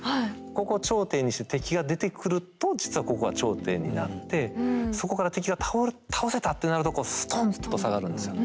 ここ頂点にして敵が出てくると実はここが頂点になってそこから敵が倒せたってなるとこうストンと下がるんですよ。